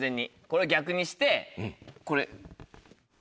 これを逆にしてこれ。